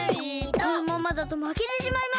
このままだとまけてしまいます！